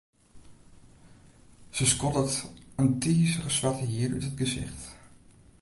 Se skoddet it tizige swarte hier út it gesicht.